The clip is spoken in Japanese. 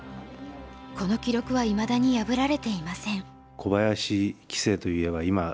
この記録はいまだに破られていません。